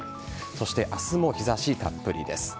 そして明日も日差したっぷりです。